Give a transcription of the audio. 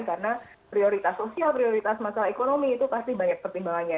karena prioritas sosial prioritas masyarakat ekonomi itu pasti banyak pertimbangannya